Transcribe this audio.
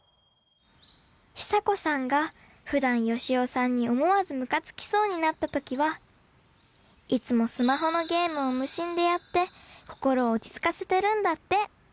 ヒサコさんがふだんヨシオさんに思わずムカつきそうになった時はいつもスマホのゲームを無心でやって心を落ち着かせてるんだって！